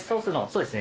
そうですね。